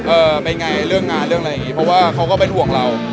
เอ่อเป็นให้เรื่องงานเพราะว่าเขาก็แบ่งดวงเรา